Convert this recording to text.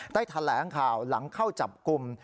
แถลงข่าวหลังเข้าจับกลุ่ม